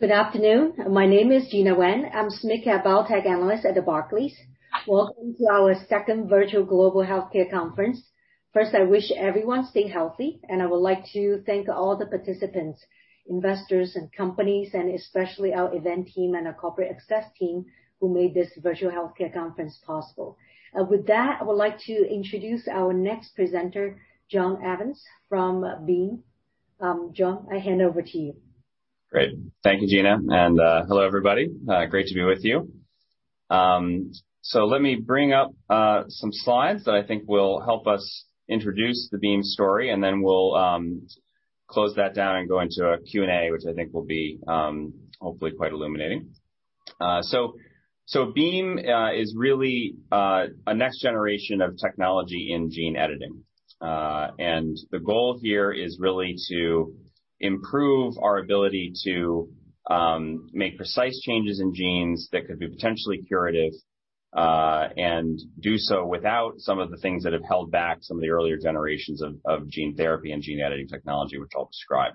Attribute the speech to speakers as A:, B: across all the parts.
A: Good afternoon. My name is Gena Wang. I am SMID-cap biotech analyst at Barclays. Welcome to our second virtual Global Healthcare Conference. First, I wish everyone stay healthy, and I would like to thank all the participants, investors, and companies, and especially our event team and our corporate access team who made this virtual healthcare conference possible. With that, I would like to introduce our next presenter, John Evans from Beam. John, I hand over to you.
B: Great. Thank you, Gena, and hello everybody. Great to be with you. Let me bring up some slides that I think will help us introduce the Beam story, and then we'll close that down and go into a Q&A, which I think will be hopefully quite illuminating. Beam is really a next generation of technology in gene editing. The goal here is really to improve our ability to make precise changes in genes that could be potentially curative, and do so without some of the things that have held back some of the earlier generations of gene therapy and gene editing technology, which I'll describe.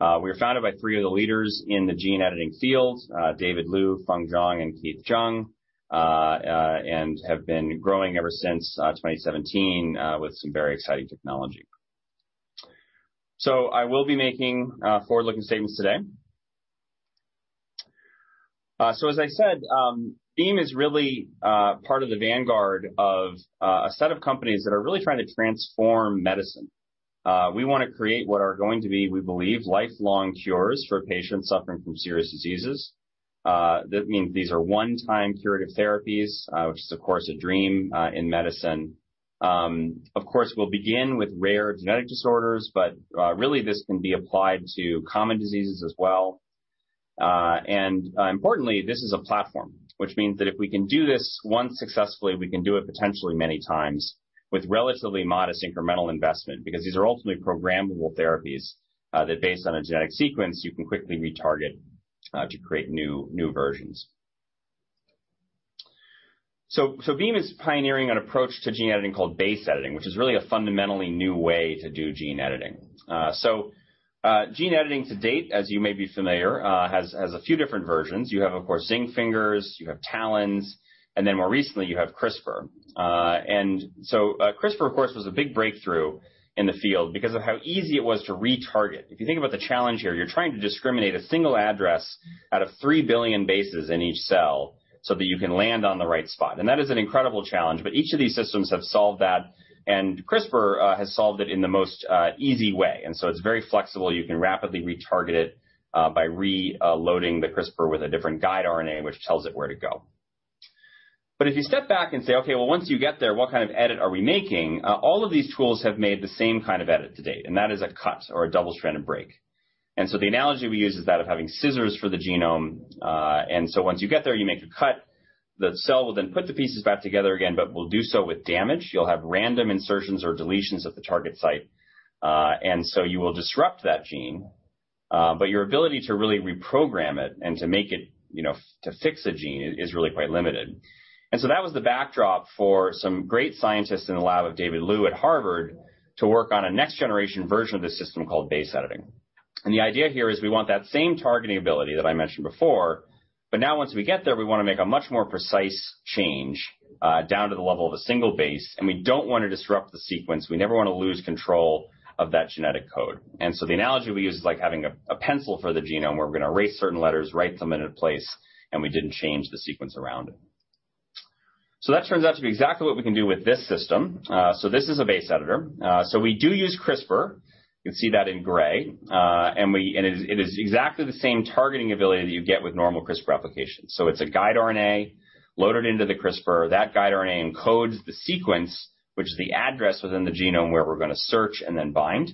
B: We were founded by three of the leaders in the gene editing field, David Liu, Feng Zhang, and Keith Joung, and have been growing ever since 2017, with some very exciting technology. I will be making forward-looking statements today. As I said, Beam is really part of the vanguard of a set of companies that are really trying to transform medicine. We want to create what are going to be, we believe, lifelong cures for patients suffering from serious diseases. That means these are one-time curative therapies, which is, of course, a dream in medicine. Of course, we'll begin with rare genetic disorders, but really this can be applied to common diseases as well. Importantly, this is a platform, which means that if we can do this once successfully, we can do it potentially many times with relatively modest incremental investment, because these are ultimately programmable therapies, that based on a genetic sequence, you can quickly retarget, to create new versions. Beam is pioneering an approach to gene editing called base editing, which is really a fundamentally new way to do gene editing. Gene editing to date, as you may be familiar, has a few different versions. You have, of course, zinc fingers, you have TALENs, and then more recently, you have CRISPR. CRISPR, of course, was a big breakthrough in the field because of how easy it was to retarget. If you think about the challenge here, you're trying to discriminate a single address out of three billion bases in each cell so that you can land on the right spot. That is an incredible challenge, but each of these systems have solved that, and CRISPR has solved it in the most easy way. It's very flexible. You can rapidly retarget it by reloading the CRISPR with a different guide RNA, which tells it where to go. If you step back and say, okay, well, once you get there, what kind of edit are we making? All of these tools have made the same kind of edit to date, that is a cut or a double-stranded break. The analogy we use is that of having scissors for the genome. Once you get there, you make a cut. The cell will then put the pieces back together again, but will do so with damage. You'll have random insertions or deletions at the target site. You will disrupt that gene, but your ability to really reprogram it and to fix a gene is really quite limited. That was the backdrop for some great scientists in the lab of David Liu at Harvard to work on a next generation version of this system called base editing. The idea here is we want that same targeting ability that I mentioned before, but now once we get there, we want to make a much more precise change, down to the level of a single base, and we don't want to disrupt the sequence. We never want to lose control of that genetic code. The analogy we use is like having a pencil for the genome where we're going to erase certain letters, write them in a place, and we didn't change the sequence around it. That turns out to be exactly what we can do with this system. This is a base editor. We do use CRISPR. You can see that in gray. It is exactly the same targeting ability that you get with normal CRISPR applications. It's a guide RNA loaded into the CRISPR. That guide RNA encodes the sequence, which is the address within the genome where we're going to search and bind.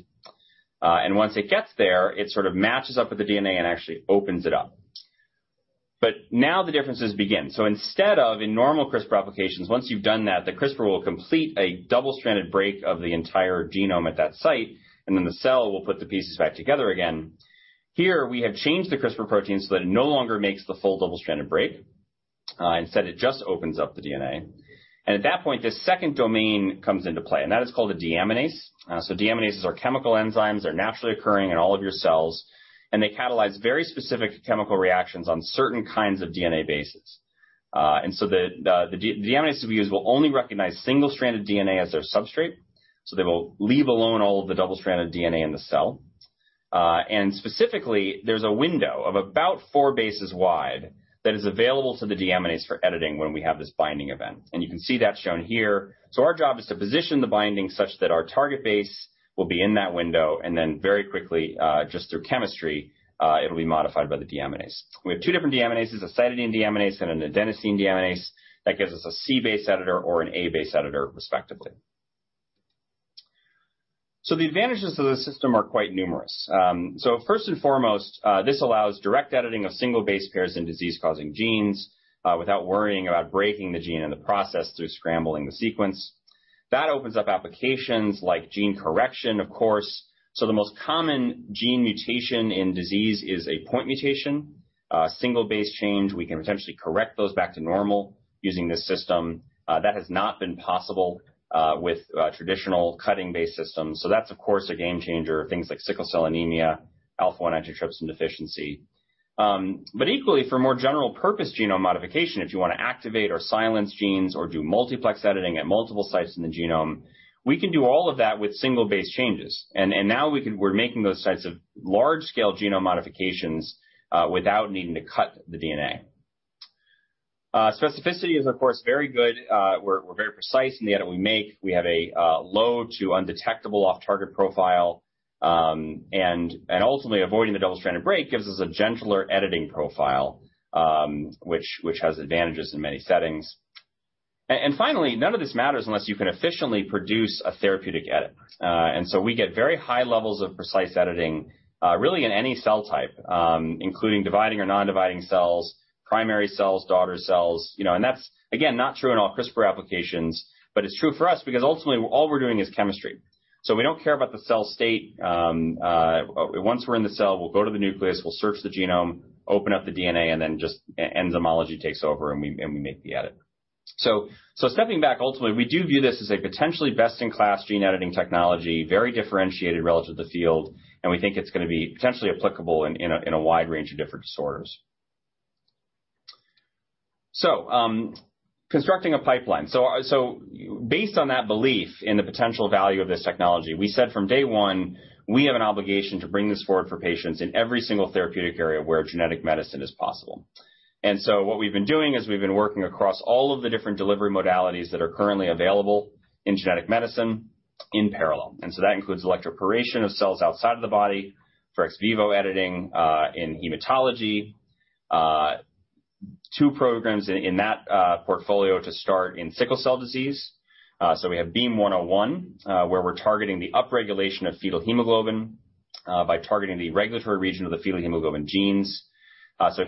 B: Once it gets there, it sort of matches up with the DNA and actually opens it up. Now the differences begin. Instead of in normal CRISPR applications, once you've done that, the CRISPR will complete a double-stranded break of the entire genome at that site, the cell will put the pieces back together again. Here, we have changed the CRISPR protein so that it no longer makes the full double-stranded break. Instead, it just opens up the DNA. At that point, this second domain comes into play, and that is called a deaminase. Deaminases are chemical enzymes that are naturally occurring in all of your cells, and they catalyze very specific chemical reactions on certain kinds of DNA bases. The deaminase we use will only recognize single-stranded DNA as their substrate, so they will leave alone all of the double-stranded DNA in the cell. Specifically, there's a window of about four bases wide that is available to the deaminase for editing when we have this binding event. You can see that shown here. Our job is to position the binding such that our target base will be in that window, then very quickly, just through chemistry, it'll be modified by the deaminase. We have two different deaminases, a cytidine deaminase and an adenosine deaminase. That gives us a C base editor or an adenine base editor, respectively. The advantages to the system are quite numerous. First and foremost, this allows direct editing of single base pairs in disease-causing genes, without worrying about breaking the gene in the process through scrambling the sequence. That opens up applications like gene correction, of course. The most common gene mutation in disease is a point mutation. A single base change, we can potentially correct those back to normal using this system. That has not been possible with traditional cutting-based systems. That's, of course, a game changer. Things like sickle cell anemia, alpha-1 antitrypsin deficiency. Equally, for more general purpose genome modification, if you want to activate or silence genes or do multiplex editing at multiple sites in the genome, we can do all of that with single base changes. Now we're making those sets of large-scale genome modifications without needing to cut the DNA. Specificity is, of course, very good. We're very precise in the edit we make. We have a low to undetectable off-target profile, ultimately avoiding the double-stranded break gives us a gentler editing profile, which has advantages in many settings. Finally, none of this matters unless you can efficiently produce a therapeutic edit. We get very high levels of precise editing, really in any cell type, including dividing or non-dividing cells, primary cells, daughter cells. That's, again, not true in all CRISPR applications, but it's true for us, because ultimately all we're doing is chemistry. We don't care about the cell state. Once we're in the cell, we'll go to the nucleus, we'll search the genome, open up the DNA, and then just enzymology takes over, and we make the edit. Stepping back, ultimately, we do view this as a potentially best-in-class gene editing technology, very differentiated relative to the field, and we think it's going to be potentially applicable in a wide range of different disorders. Constructing a pipeline. Based on that belief in the potential value of this technology, we said from day one, we have an obligation to bring this forward for patients in every single therapeutic area where genetic medicine is possible. What we've been doing is we've been working across all of the different delivery modalities that are currently available in genetic medicine in parallel. That includes electroporation of cells outside of the body for ex vivo editing in hematology. Two programs in that portfolio to start in sickle cell disease. We have BEAM-101, where we're targeting the upregulation of fetal hemoglobin by targeting the regulatory region of the fetal hemoglobin genes.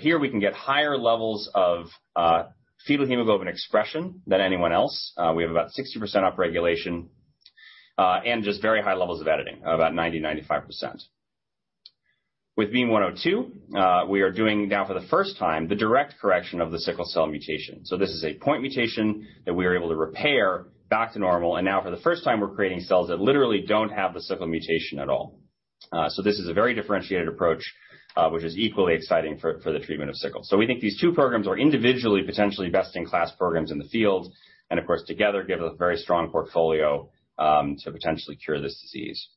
B: Here we can get higher levels of fetal hemoglobin expression than anyone else. We have about 60% upregulation, and just very high levels of editing, about 90%, 95%. With BEAM-102, we are doing now for the first time, the direct correction of the sickle cell disease mutation. This is a point mutation that we are able to repair back to normal, and now for the first time, we're creating cells that literally don't have the sickle cell disease mutation at all. This is a very differentiated approach, which is equally exciting for the treatment of sickle. We think these two programs are individually potentially best-in-class programs in the field, and of course, together give a very strong portfolio to potentially cure this disease.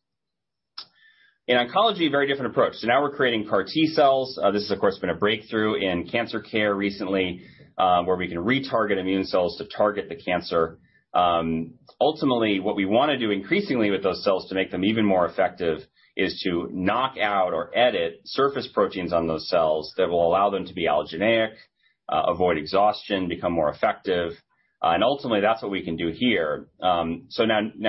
B: In oncology, very different approach. Now we're creating CAR T cells. This has, of course, been a breakthrough in cancer care recently, where we can retarget immune cells to target the cancer. Ultimately, what we want to do increasingly with those cells to make them even more effective is to knock out or edit surface proteins on those cells that will allow them to be allogeneic, avoid exhaustion, become more effective. Ultimately, that's what we can do here. Now,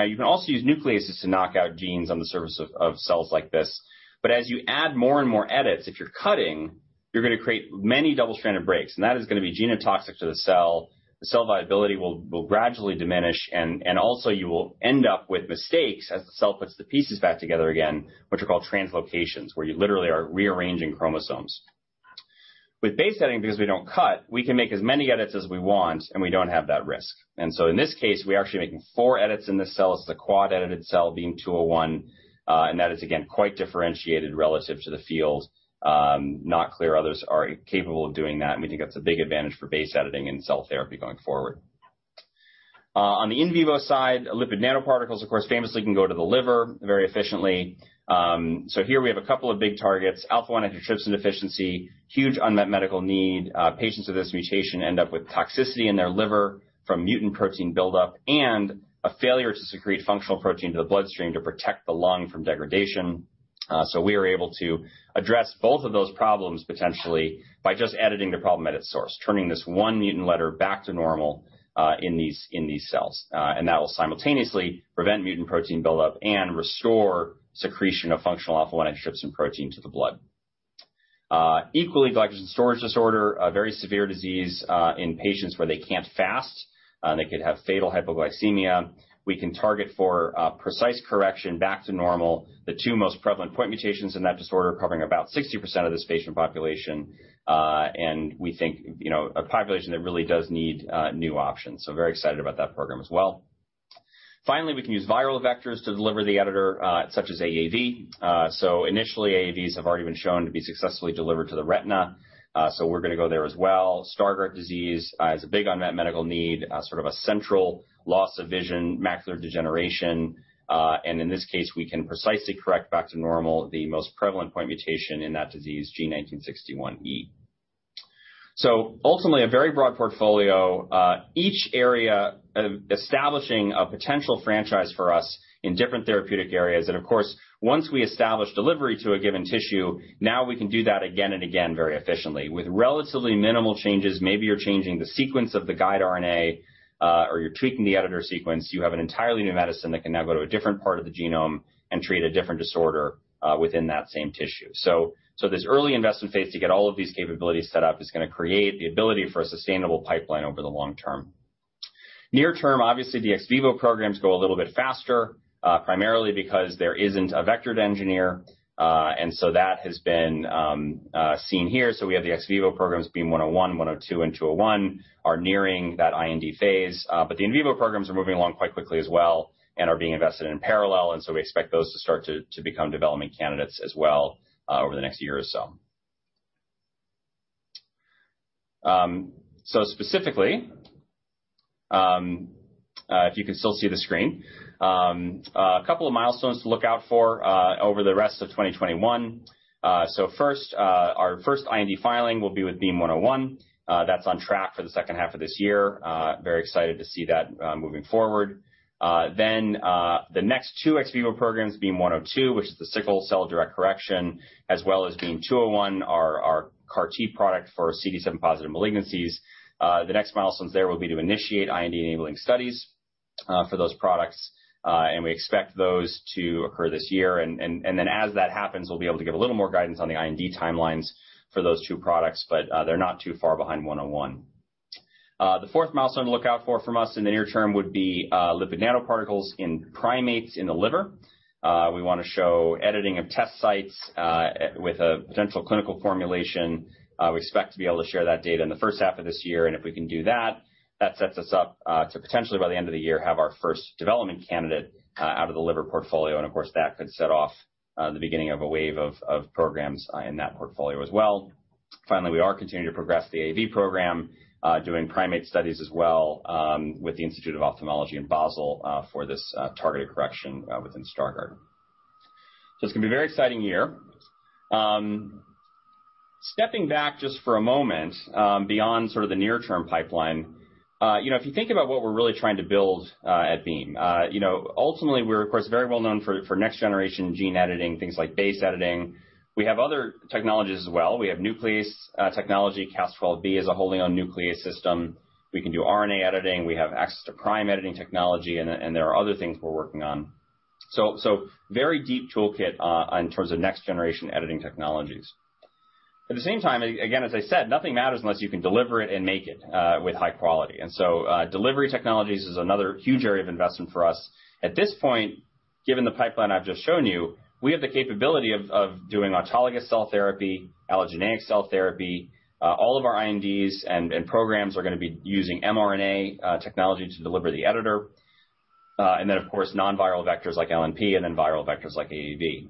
B: you can also use nucleases to knock out genes on the surface of cells like this. As you add more and more edits, if you're cutting, you're going to create many double-stranded breaks, and that is going to be genotoxic to the cell. The cell viability will gradually diminish, and also you will end up with mistakes as the cell puts the pieces back together again, which are called translocations, where you literally are rearranging chromosomes. With base editing, because we don't cut, we can make as many edits as we want. We don't have that risk. In this case, we're actually making four edits in the cells, the quad edited cell, BEAM-201. That is again, quite differentiated relative to the field. Not clear others are capable of doing that. We think that's a big advantage for base editing and cell therapy going forward. On the in vivo side, lipid nanoparticles, of course, famously, can go to the liver very efficiently. Here we have a couple of big targets, alpha-1 antitrypsin deficiency, huge unmet medical need. Patients with this mutation end up with toxicity in their liver from mutant protein buildup and a failure to secrete functional protein to the bloodstream to protect the lung from degradation. We are able to address both of those problems potentially by just editing the problem at its source, turning this one mutant letter back to normal in these cells. That will simultaneously prevent mutant protein buildup and restore secretion of functional alpha-1 antitrypsin protein to the blood. Equally, glycogen storage disease, a very severe disease in patients where they can't fast, and they could have fatal hypoglycemia. We can target for precise correction back to normal, the two most prevalent point mutations in that disorder, covering about 60% of this patient population, and we think a population that really does need new options. Very excited about that program as well. Finally, we can use viral vectors to deliver the editor, such as AAV. Initially, AAVs have already been shown to be successfully delivered to the retina. We're going to go there as well. Stargardt disease is a big unmet medical need, sort of a central loss of vision, macular degeneration. In this case, we can precisely correct back to normal the most prevalent point mutation in that disease, G1961E. Ultimately, a very broad portfolio. Each area establishing a potential franchise for us in different therapeutic areas. Of course, once we establish delivery to a given tissue, now we can do that again and again very efficiently. With relatively minimal changes, maybe you're changing the sequence of the guide RNA, or you're tweaking the editor sequence, you have an entirely new medicine that can now go to a different part of the genome and treat a different disorder within that same tissue. This early investment phase to get all of these capabilities set up is going to create the ability for a sustainable pipeline over the long term. Near term, obviously, the ex vivo programs go a little bit faster, primarily because there isn't a vectored engineer. That has been seen here. We have the ex vivo programs, BEAM-101, BEAM-102, and BEAM-201, are nearing that IND phase. The in vivo programs are moving along quite quickly as well and are being invested in parallel, and so we expect those to start to become development candidates as well over the next year or so. Specifically, if you can still see the screen, a couple of milestones to look out for over the rest of 2021. First, our first IND filing will be with BEAM-101. That's on track for the H2 of this year. Very excited to see that moving forward. The next two ex vivo programs, BEAM-102, which is the sickle cell direct correction, as well as BEAM-201, our CAR-T product for CD7 positive malignancies. The next milestones there will be to initiate IND-enabling studies for those products. We expect those to occur this year. As that happens, we'll be able to give a little more guidance on the IND timelines for those two products, but they're not too far behind BEAM-101. The fourth milestone to look out for from us in the near term would be lipid nanoparticles in primates in the liver. We want to show editing of test sites, with a potential clinical formulation. We expect to be able to share that data in the H1 of this year, and if we can do that sets us up to potentially by the end of the year, have our first development candidate out of the liver portfolio, and of course, that could set off the beginning of a wave of programs in that portfolio as well. We are continuing to progress the AAV program, doing primate studies as well with the Institute of Ophthalmology in Basel for this targeted correction within Stargardt. It's going to be a very exciting year. Stepping back just for a moment, beyond sort of the near-term pipeline. If you think about what we're really trying to build at Beam, ultimately we're, of course, very well known for next-generation gene editing, things like base editing. We have other technologies as well. We have nuclease technology. Cas12b is a wholly owned nuclease system. We can do RNA editing. We have access to prime editing technology, and there are other things we're working on. Very deep toolkit in terms of next-generation editing technologies. At the same time, again, as I said, nothing matters unless you can deliver it and make it with high quality. Delivery technologies is another huge area of investment for us. At this point, given the pipeline I've just shown you, we have the capability of doing autologous cell therapy, allogeneic cell therapy. All of our INDs and programs are going to be using mRNA technology to deliver the editor. Of course, non-viral vectors like LNP and then viral vectors like AAV.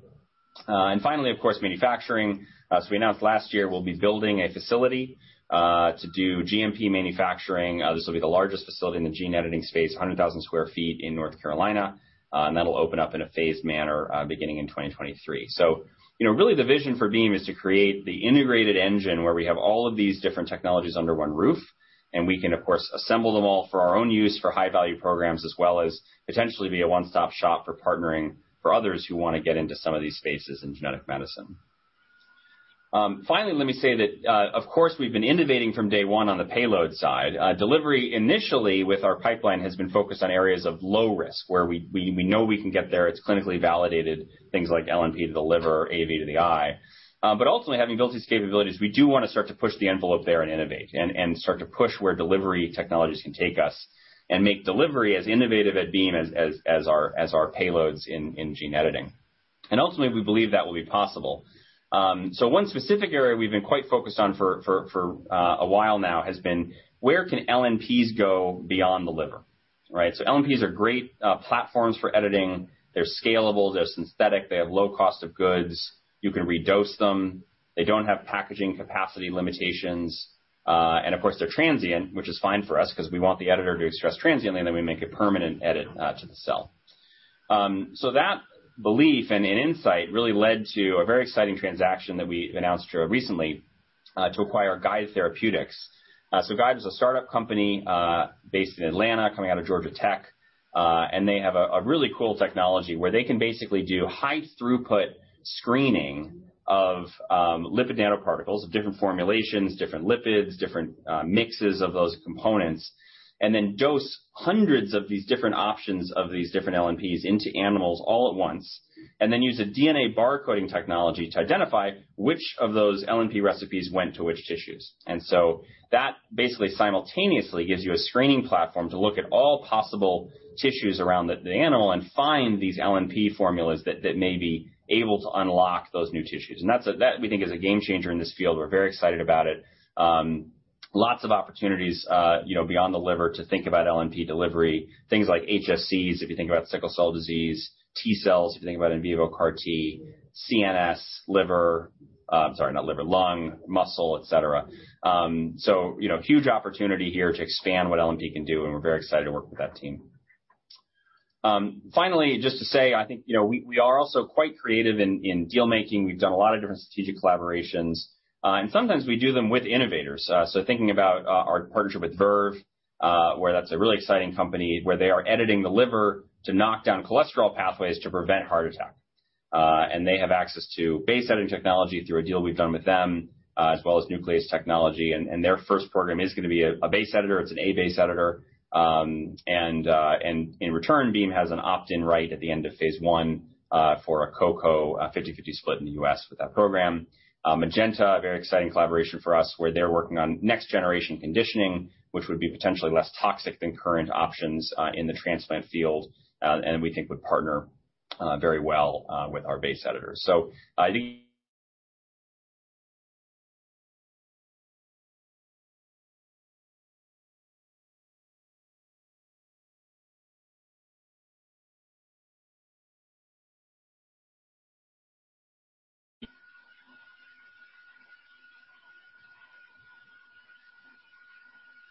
B: Finally, of course, manufacturing. We announced last year we'll be building a facility to do GMP manufacturing. This will be the largest facility in the gene editing space, 100,000 sq ft in North Carolina. That'll open up in a phased manner beginning in 2023. Really the vision for Beam is to create the integrated engine where we have all of these different technologies under one roof, and we can, of course, assemble them all for our own use, for high-value programs, as well as potentially be a one-stop shop for partnering for others who want to get into some of these spaces in genetic medicine. Finally, let me say that, of course, we've been innovating from day one on the payload side. Delivery initially with our pipeline has been focused on areas of low risk where we know we can get there. It's clinically validated, things like LNP to the liver, AAV to the eye. Ultimately, having built these capabilities, we do want to start to push the envelope there and innovate and start to push where delivery technologies can take us and make delivery as innovative at Beam as our payloads in gene editing. Ultimately, we believe that will be possible. One specific area we've been quite focused on for a while now has been, where can LNPs go beyond the liver, right? LNPs are great platforms for editing. They're scalable, they're synthetic, they have low cost of goods. You can redose them. They don't have packaging capacity limitations. Of course, they're transient, which is fine for us because we want the editor to express transiently, and then we make a permanent edit to the cell. That belief and insight really led to a very exciting transaction that we announced recently, to acquire Guide Therapeutics. Guide is a startup company based in Atlanta, coming out of Georgia Tech. They have a really cool technology where they can basically do high throughput screening of lipid nanoparticles, of different formulations, different lipids, different mixes of those components, then dose hundreds of these different options of these different LNPs into animals all at once, then use a DNA barcoding technology to identify which of those LNP recipes went to which tissues. That basically simultaneously gives you a screening platform to look at all possible tissues around the animal and find these LNP formulas that may be able to unlock those new tissues. We're very excited about it. Lots of opportunities, beyond the liver to think about LNP delivery, things like HSCs, if you think about sickle cell disease, T cells, if you think about in vivo CAR T, CNS, liver. I'm sorry, not liver, lung, muscle, et cetera. A huge opportunity here to expand what LNP can do, and we're very excited to work with that team. Finally, just to say, I think, we are also quite creative in deal-making. We've done a lot of different strategic collaborations. Sometimes we do them with innovators. Thinking about our partnership with Verve, where that's a really exciting company, where they are editing the liver to knock down cholesterol pathways to prevent heart attack. They have access to base editing technology through a deal we've done with them, as well as nuclease technology. Their first program is going to be a base editor. It's an A base editor. In return, Beam has an opt-in right at the end of phase I for a co-co 50/50 split in the U.S. for that program. Magenta, a very exciting collaboration for us, where they're working on next-generation conditioning, which would be potentially less toxic than current options in the transplant field, and we think would partner very well with our base editors.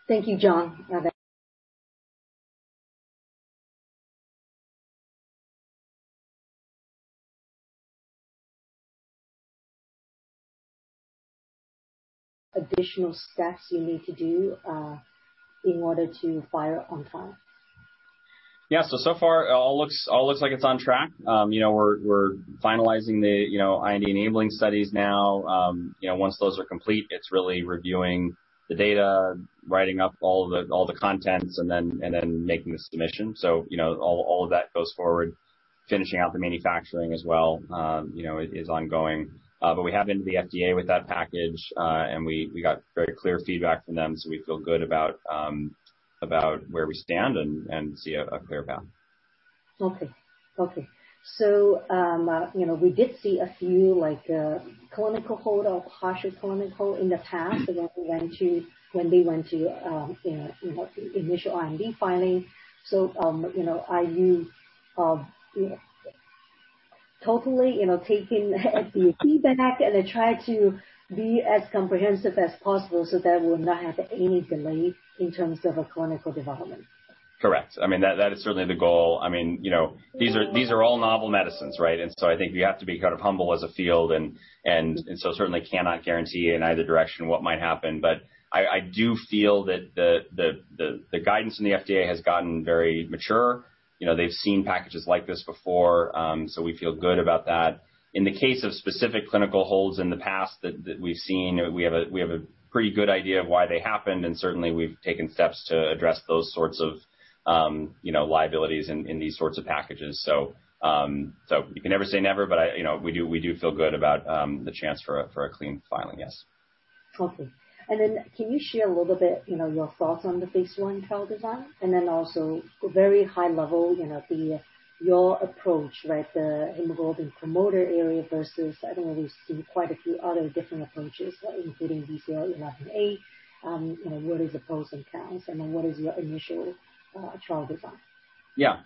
A: Thank you, John. Additional steps you need to do in order to file on time?
B: Yeah. So far all looks like it's on track. We're finalizing the IND-enabling studies now. Once those are complete, it's really reviewing the data, writing up all the contents, and then making the submission. All of that goes forward. Finishing out the manufacturing as well is ongoing. We have been to the FDA with that package, and we got very clear feedback from them, so we feel good about where we stand and see a clear path.
A: Okay. We did see a few clinical hold or harsher clinical hold in the past when they went to initial IND filing. Are you totally taking the feedback and then try to be as comprehensive as possible so that we'll not have any delay in terms of a clinical development?
B: Correct. That is certainly the goal. These are all novel medicines, right? I think you have to be humble as a field, and so certainly cannot guarantee in either direction what might happen. I do feel that the guidance in the FDA has gotten very mature. They've seen packages like this before, so we feel good about that. In the case of specific clinical holds in the past that we've seen, we have a pretty good idea of why they happened, and certainly we've taken steps to address those sorts of liabilities in these sorts of packages. You can never say never, but we do feel good about the chance for a clean filing, yes.
A: Okay. Can you share a little bit, your thoughts on the phase I trial design, also very high level, your approach, right? The hemoglobin promoter area versus, I know we've seen quite a few other different approaches, including BCL11A. What is the pros and cons, what is your initial trial design?
B: Yeah.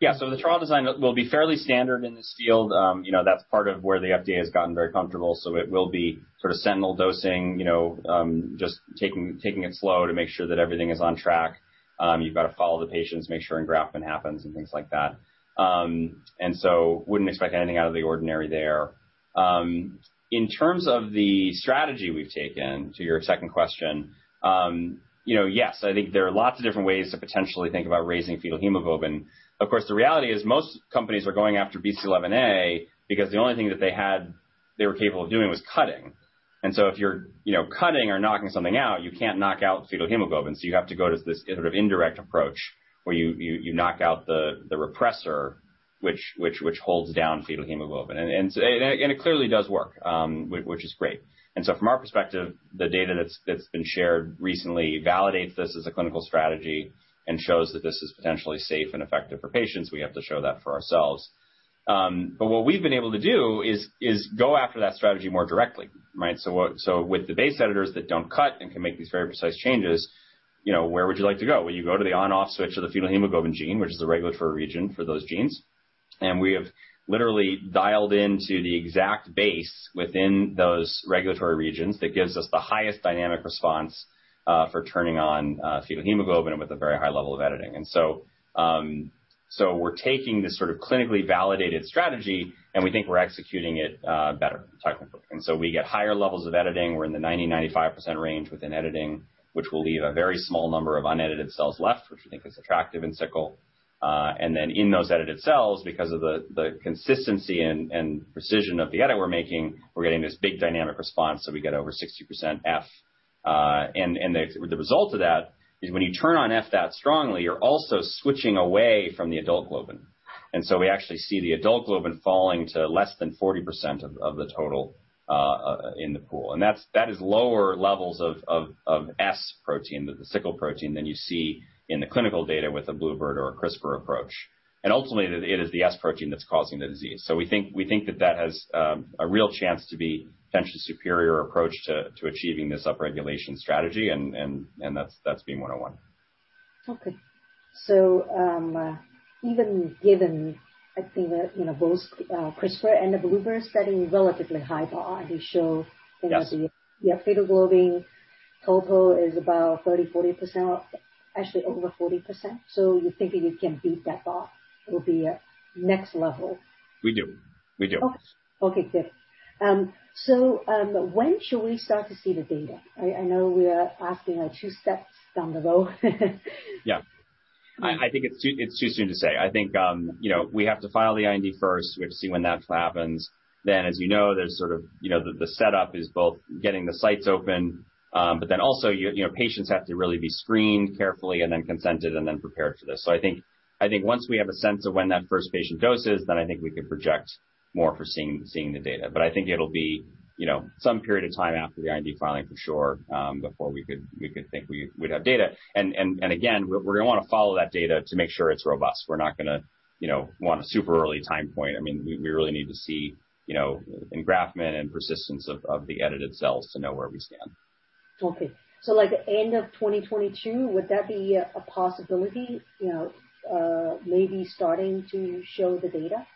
B: The trial design will be fairly standard in this field. That's part of where the FDA has gotten very comfortable. It will be sentinel dosing, just taking it slow to make sure that everything is on track. You've got to follow the patients, make sure engraftment happens and things like that. Wouldn't expect anything out of the ordinary there. In terms of the strategy we've taken, to your second question, yes, I think there are lots of different ways to potentially think about raising fetal hemoglobin. Of course, the reality is most companies are going after BCL11A because the only thing that they were capable of doing was cutting. If you're cutting or knocking something out, you can't knock out fetal hemoglobin, so you have to go to this indirect approach where you knock out the repressor, which holds down fetal hemoglobin. It clearly does work, which is great. From our perspective, the data that's been shared recently validates this as a clinical strategy and shows that this is potentially safe and effective for patients. We have to show that for ourselves. What we've been able to do is go after that strategy more directly, right? With the base editors that don't cut and can make these very precise changes, where would you like to go? Well, you go to the on/off switch of the fetal hemoglobin gene, which is the regulatory region for those genes. We have literally dialed into the exact base within those regulatory regions that gives us the highest dynamic response for turning on fetal hemoglobin with a very high level of editing. We're taking this sort of clinically validated strategy, and we think we're executing it better, type of thing. We get higher levels of editing. We're in the 90%-95% range within editing, which will leave a very small number of unedited cells left, which we think is attractive in sickle. In those edited cells, because of the consistency and precision of the edit we're making, we're getting this big dynamic response. We get over 60% F. The result of that is when you turn on F that strongly, you're also switching away from the adult globin. We actually see the adult globin falling to less than 40% of the total in the pool. That is lower levels of S protein, the sickle protein, than you see in the clinical data with a bluebird or a CRISPR approach. Ultimately, it is the S protein that's causing the disease. We think that that has a real chance to be potentially superior approach to achieving this upregulation strategy, and that's BEAM-101.
A: Okay. Even given, I think both CRISPR and the bluebird study, relatively high bar, they show.
B: Yes
A: The fetal globin total is about 30%, 40%, actually over 40%. You're thinking you can beat that bar. It'll be next level.
B: We do.
A: Okay, good. When should we start to see the data? I know we are asking two steps down the road.
B: I think it's too soon to say. I think we have to file the IND first. We have to see when that happens. As you know, the setup is both getting the sites open. Also, patients have to really be screened carefully and then consented and then prepared for this. I think once we have a sense of when that first patient dose is, then I think we can project more for seeing the data. I think it'll be some period of time after the IND filing for sure, before we could think we'd have data. Again, we're going to want to follow that data to make sure it's robust. We're not going to want a super early time point. We really need to see engraftment and persistence of the edited cells to know where we stand.
A: Okay. End of 2022, would that be a possibility, maybe starting to show the data?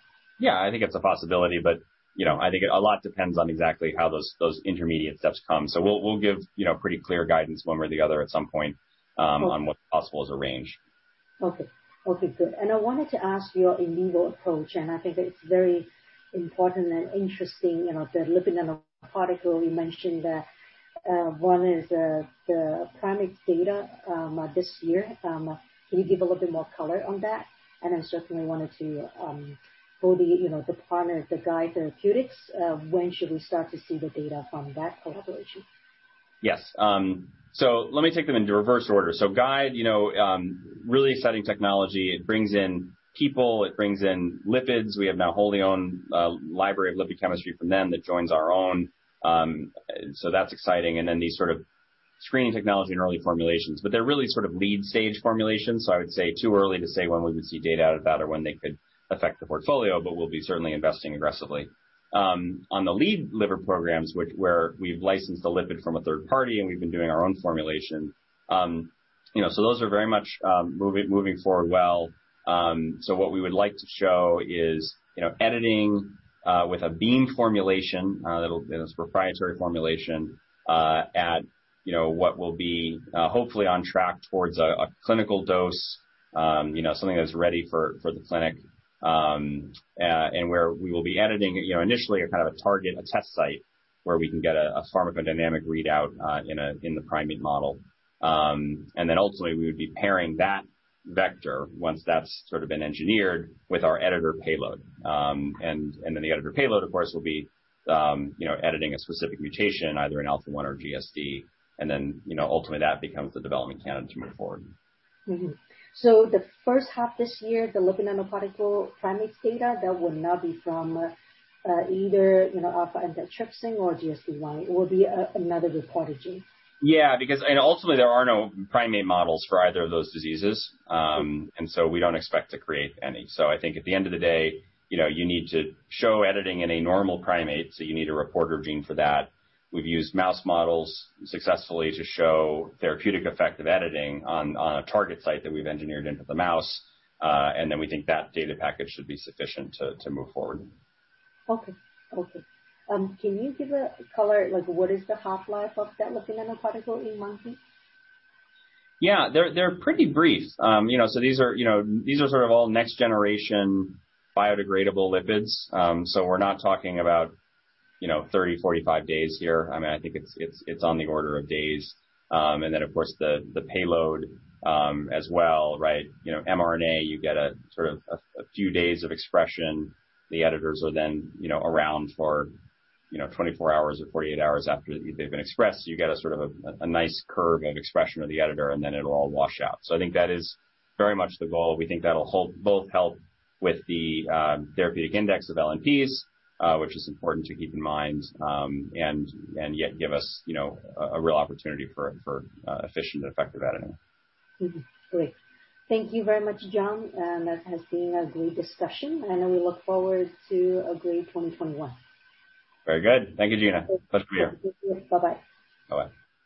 B: I think it's a possibility, but I think a lot depends on exactly how those intermediate steps come. We'll give pretty clear guidance one way or the other at some point on what's possible as a range.
A: Okay. Good. I wanted to ask your in vivo approach, and I think it's very important and interesting. The lipid nanoparticle, you mentioned that one is the primate data this year. Can you give a little bit more color on that? I certainly wanted to, for the partner, Guide Therapeutics, when should we start to see the data from that collaboration?
B: Yes. Let me take them into reverse order. Guide, really exciting technology. It brings in people, it brings in lipids. We have now wholly own a library of lipid chemistry from them that joins our own. That's exciting. These sort of screening technology and early formulations. They're really sort of lead stage formulations, I would say too early to say when we would see data out of that or when they could affect the portfolio, but we'll be certainly investing aggressively. On the lead liver programs, where we've licensed a lipid from a third party, and we've been doing our own formulation. Those are very much moving forward well. What we would like to show is editing with a Beam formulation, and it's a proprietary formulation, at what will be hopefully on track towards a clinical dose. Something that's ready for the clinic, where we will be editing, initially, a kind of a target, a test site, where we can get a pharmacodynamic readout in the primate model. Ultimately, we would be pairing that vector, once that's sort of been engineered, with our editor payload. The editor payload, of course, will be editing a specific mutation, either in alpha-1 or GSD1a. Ultimately, that becomes the development candidate to move forward.
A: The H1 this year, the lipid nanoparticle primate data, that will not be from either alpha-1 antitrypsin or GSD1. It will be another reporter gene.
B: Yeah. Ultimately, there are no primate models for either of those diseases. We don't expect to create any. I think at the end of the day, you need to show editing in a normal primate, so you need a reporter gene for that. We've used mouse models successfully to show therapeutic effect of editing on a target site that we've engineered into the mouse. Then we think that data package should be sufficient to move forward.
A: Okay. Can you give a color, like what is the half-life of that lipid nanoparticle in monkeys?
B: Yeah. They're pretty brief. These are sort of all next generation biodegradable lipids. We're not talking about 30, 45 days here. I think it's on the order of days. Of course, the payload as well, right? mRNA, you get a sort of few days of expression. The editors are then around for 24 hours or 48 hours after they've been expressed. You get a sort of a nice curve of expression of the editor, and then it'll all wash out. I think that is very much the goal. We think that'll both help with the therapeutic index of LNPs, which is important to keep in mind, and yet give us a real opportunity for efficient and effective editing.
A: Great. Thank you very much, John. That has been a great discussion, and we look forward to a great 2021.
B: Very good. Thank you, Gena. Pleasure to be here.
A: Yes. Bye-bye.
B: Bye-bye.